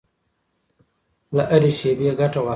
له هرې شېبې ګټه واخلئ.